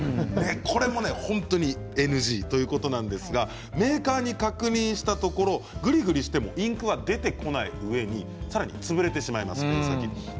これも本当にＮＧということなんですがメーカーに確認したところぐりぐりしてもインクは出てこないうえにさらに、潰れてしまいますペン先がね。